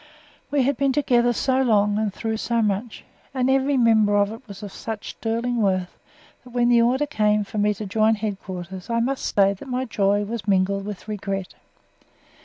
We had been together so long, and through so much, and every member of it was of such sterling worth, that when the order came for me to join Headquarters I must say that my joy was mingled with regret.